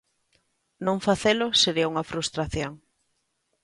Non facelo sería unha frustración.